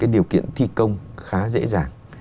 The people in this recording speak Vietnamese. điều kiện thi công khá dễ dàng